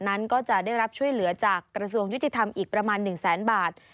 นั้นก็จะได้รับช่วยเหลือจากกระทรวงยุติธรรมอีกประมาณ๑แสนบาท